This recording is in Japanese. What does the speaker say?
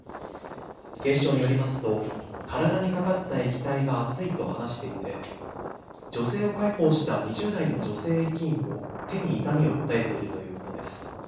警視庁によりますと体にかかった液体が熱いと話していて女性を介抱した２０代の女性駅員も手に痛みを訴えているということです。